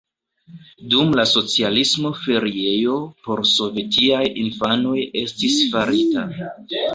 Dum la socialismo feriejo por sovetiaj infanoj estis farita.